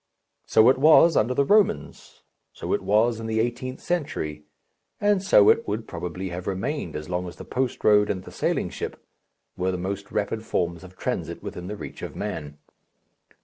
So it was under the Romans, so it was in the eighteenth century, and so it would probably have remained as long as the post road and the sailing ship were the most rapid forms of transit within the reach of man.